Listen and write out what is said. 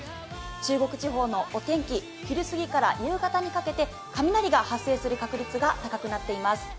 中国地方のお天気、昼過ぎから夕方にかけて雷が発生する確率が高くなっています。